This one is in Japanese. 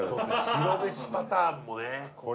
白飯パターンもね